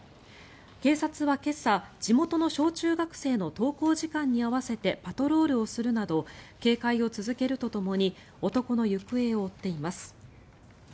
警察は今朝地元の小中学生の登校時間に合わせてパトロールをするなど警戒を続けるとともに男の行方を追っています。